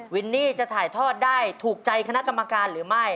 วินนี่จะถ่ายทอดได้ถูกใจคณะกรรมการหรือไม่